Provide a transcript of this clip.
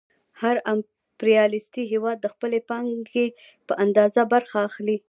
هر امپریالیستي هېواد د خپلې پانګې په اندازه برخه اخلي